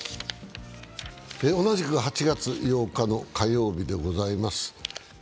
同じく８月８日の火曜日でございます。